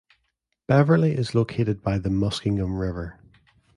Beverly is located by the Muskingum River.